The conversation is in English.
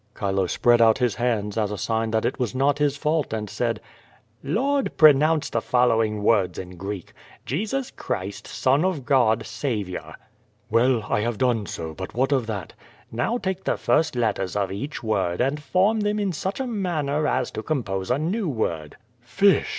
Chilo spread out his hands as a sign that it was not his faulty and said: I20 QUO VADIS. u Lord, pronounce the following words in Greek: * Jesus Christ, Son of God, Saviour/ " "Well, I have done so, but what of that?" "Now take the first letters of each word, and form them in such a manner as to compose a new word/' "Fish!"